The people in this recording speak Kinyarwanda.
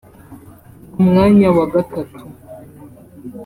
Ku mwanya wa gatatu